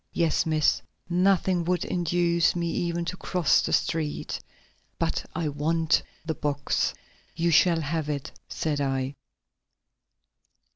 "Yes, Miss; nothing would induce me even to cross the street. But I want the box." "You shall have it," said I.